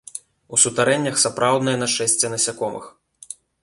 У сутарэннях сапраўднае нашэсце насякомых.